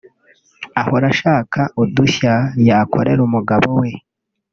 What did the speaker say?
Ahora ashaka udushya yakorera umugabo we